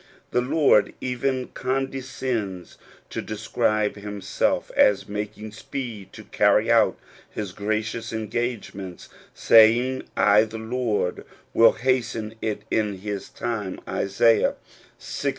The Lord even condescends to describe him self as making speed to carry out his gracious engagements, saying, "I the Lord will hasten it in his time (Isaiah Ix.